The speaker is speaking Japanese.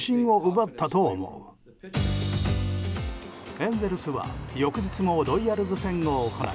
エンゼルスは翌日のロイヤルズ戦を行い